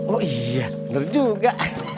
oh iya benar juga